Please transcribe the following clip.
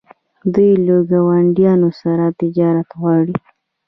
دوی له ګاونډیانو سره تجارت غواړي.